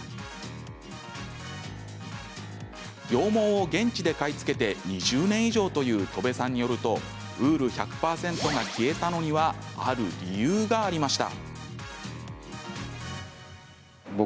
羊毛を現地で買い付けて２０年以上という戸部さんによるとウール１００％が消えたのにはある理由がありました。